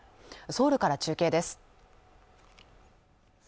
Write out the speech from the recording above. ソウルから中継です